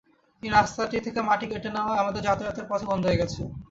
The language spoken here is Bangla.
তিনি রাস্তাটি থেকে মাটি কেটে নেওয়ায় আমাদের যাতায়াতের পথই বন্ধ হয়ে গেছে।